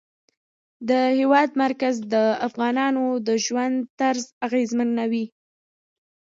د هېواد مرکز د افغانانو د ژوند طرز اغېزمنوي.